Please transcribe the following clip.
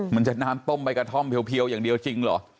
มันจะน้ำต้มใบกระท่อมเพียวอย่างเดียวจริงเหรอ